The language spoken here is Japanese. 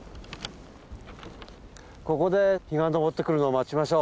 ここで日が昇ってくるのを待ちましょう。